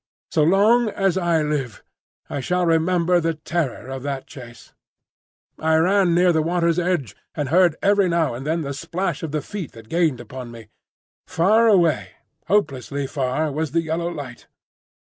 So long as I live, I shall remember the terror of that chase. I ran near the water's edge, and heard every now and then the splash of the feet that gained upon me. Far away, hopelessly far, was the yellow light.